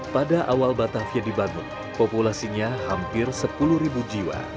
pada awal batavia dibangun populasinya hampir sepuluh jiwa